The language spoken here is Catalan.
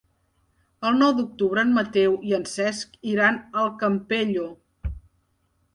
El nou d'octubre en Mateu i en Cesc iran al Campello.